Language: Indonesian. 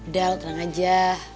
dar tenang aja